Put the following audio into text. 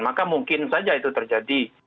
maka mungkin saja itu terjadi